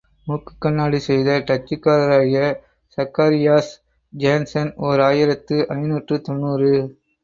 மூக்குக்கண்ணாடி செய்த டச்சுக்காரராகிய சக்காரியாஸ் ஜேன்சன், ஓர் ஆயிரத்து ஐநூற்று தொன்னூறு.